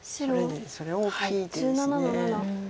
それは大きい手です。